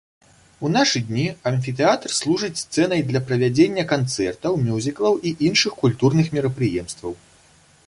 У нашы дні амфітэатр служыць сцэнай для правядзення канцэртаў, мюзіклаў і іншых культурных мерапрыемстваў.